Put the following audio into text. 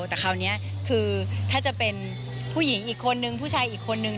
แต่คราวนี้คือถ้าจะเป็นผู้หญิงอีกคนนึงผู้ชายอีกคนนึง